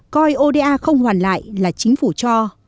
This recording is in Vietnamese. coi oda không hoàn lại là chính phủ cho